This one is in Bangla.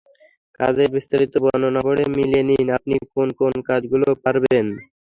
কাজের বিস্তারিত বর্ণনা পড়ে মিলিয়ে নিন আপনি কোন কোন কাজগুলো পারবেন।